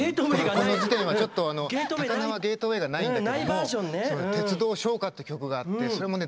この時点はちょっと高輪ゲートウェイがないんだけども「鉄道唱歌」って曲があってそれもね